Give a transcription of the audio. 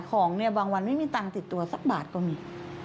ของเนี่ยบางวันไม่มีตังค์ติดตัวสักบาทก็มี